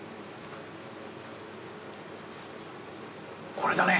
これだね。